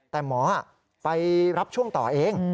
แต่หมอไปรับช่วงต่อเอง